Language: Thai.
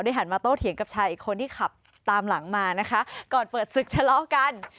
หันมาโต้เถียงกับชายอีกคนที่ขับตามหลังมานะคะก่อนเปิดศึกทะเลาะกัน